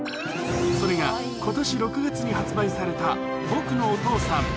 それが、ことし６月に発売されたぼくのお父さん。